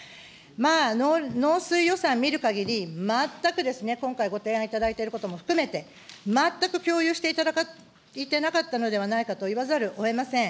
まあ、農水予算見るかぎり、全くですね、今回、ご提案いただいていることも含めて、全く共有していただいてなかったのではないかと言わざるをえません。